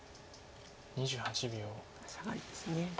サガリです。